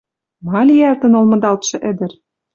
Ма лиӓлтӹн олмыдалтшы ӹдӹр?